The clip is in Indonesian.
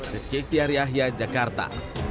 rizky tiaryahia jakarta